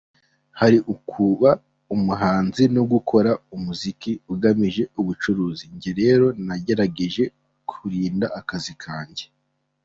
Hari ukuba umuhanzi no gukora umuziki ugamije ubucuruzi, njye rero nagerageje kurinda akazi kanjye.